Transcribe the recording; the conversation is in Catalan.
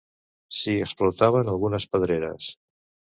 S'hi explotaven algunes pedreres.